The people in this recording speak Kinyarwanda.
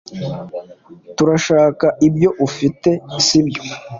turashaka ibyo ufite, si byo